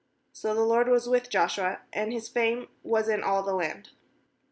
27So the LORD^ was with Joshua; and his fame was in all the land.